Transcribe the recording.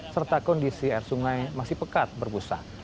serta kondisi air sungai masih pekat berbusa